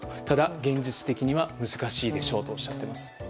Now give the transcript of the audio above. ただ現実的には難しいでしょうとおっしゃっています。